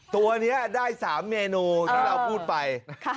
ตัวนี้ได้๓เมนูที่เราพูดไป